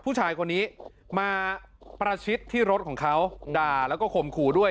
ผู้ชายคนนี้มาประชิดที่รถของเขาด่าแล้วก็ข่มขู่ด้วย